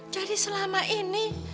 jadi selama ini